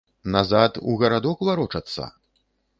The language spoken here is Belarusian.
Назад, у гарадок варочацца?